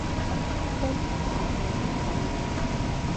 雞同鴨點分